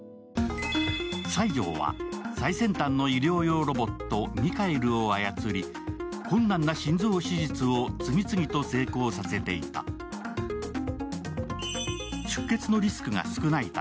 西條は最先端の医療用ロボット・ミカエルを操り困難な心臓手術を次々と成功させていた。